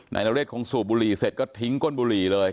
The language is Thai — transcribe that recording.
นายนเรศคงสูบบุหรี่เสร็จก็ทิ้งก้นบุหรี่เลย